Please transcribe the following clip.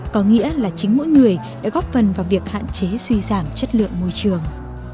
có nghĩa là chính mỗi người đã góp phần vào việc hạn chế suy giảm chất lượng môi trường